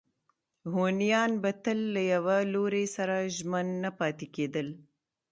هونیان به تل له یوه لوري سره ژمن نه پاتې کېدل.